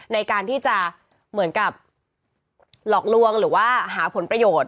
ในการที่จะเหมือนกับหลอกลวงหรือว่าหาผลประโยชน์